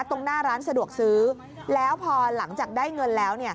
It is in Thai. ตรงหน้าร้านสะดวกซื้อแล้วพอหลังจากได้เงินแล้ว